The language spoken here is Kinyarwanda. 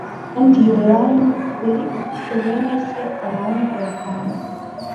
kandi yoramu yari afite bene se abahungu batanu